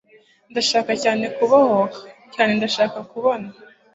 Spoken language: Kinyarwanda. ndashaka cyane kubohoka; cyane ndashaka kubona